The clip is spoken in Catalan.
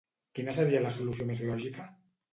Quina seria la solució més lògica?